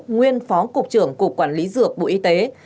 nguyên phó cục trưởng cục quản lý dược bộ y tế